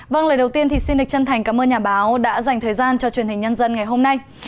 vâng lời đầu tiên thì xin được chân thành cảm ơn nhà báo đã dành thời gian cho truyền hình nhân dân ngày hôm nay